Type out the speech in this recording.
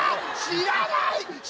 知らない！